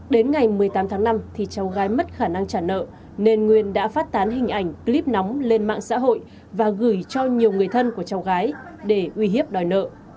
đến ngày một mươi tám tháng năm thì cháu gái mất khả năng trả nợ nên nguyên đã phát tán hình ảnh clip nóng lên mạng xã hội và gửi cho nhiều người thân của cháu gái để uy hiếp đòi nợ